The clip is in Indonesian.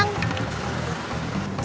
ya udah aku mau pake